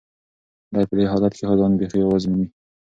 دی په دې حالت کې ځان بیخي یوازې مومي.